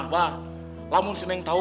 pak lamun si neng tau